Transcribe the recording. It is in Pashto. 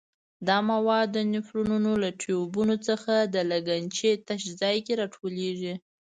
دا مواد د نفرونونو له ټیوبونو څخه د لګنچې تش ځای کې را ټولېږي.